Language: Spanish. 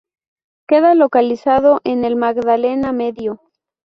Queda localizado en el Magdalena Medio.